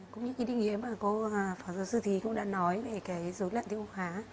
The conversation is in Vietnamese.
cũng như cái định nghĩa mà cô phó giáo sư thì cũng đã nói về cái dối loạn tiêu hóa